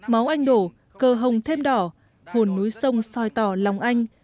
máu anh đổ cơ hồng thêm đỏ hồn núi sông soi tỏ lòng anh